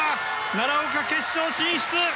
奈良岡、決勝進出！